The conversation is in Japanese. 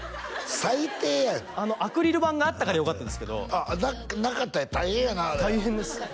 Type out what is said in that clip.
最低やんアクリル板があったからよかったんですけどなかったら大変やなあれ大変です